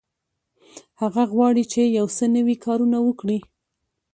هغه غواړي چې یو څه نوي کارونه وکړي.